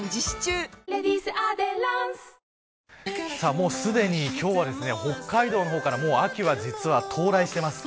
もうすでに、今日は北海道の方から秋は実は到来しています。